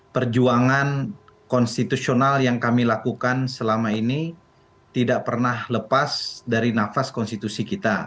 perjuangan konstitusional yang kami lakukan selama ini tidak pernah lepas dari nafas konstitusi kita